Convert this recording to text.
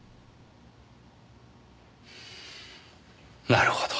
なるほど。